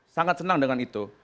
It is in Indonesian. sangat senang dengan itu